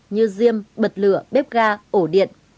như diêm bật lửa bếp ga ổ điện